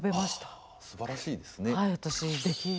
ああすばらしいですね。